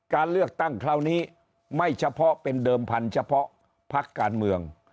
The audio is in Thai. การเลือกตั้งคราวนี้ไม่เฉพาะเป็นเดิมพันธเฉพาะพักการเมือง